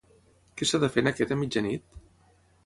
Què s'ha de fer en aquest a mitjanit?